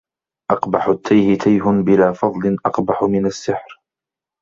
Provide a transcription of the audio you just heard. أقبح التيه تيه بلا فضل أقبح من السحر